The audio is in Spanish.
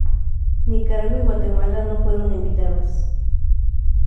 Nicaragua y Guatemala no fueron invitadas.